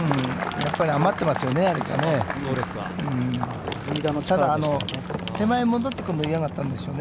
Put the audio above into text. やっぱりあれじゃ、余っていますよね。